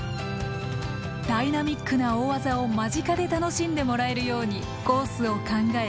ダイナミックな大技を間近で楽しんでもらえるようにコースを考え